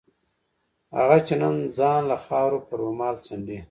هغه چې نن ځان له خاورو په رومال څنډي.